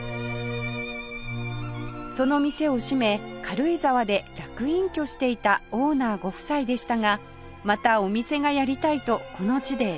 その店を閉め軽井沢で楽隠居していたオーナーご夫妻でしたがまたお店がやりたいとこの地で再開